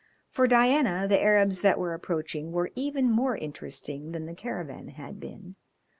For Diana the Arabs that were approaching were even more interesting than the caravan had been.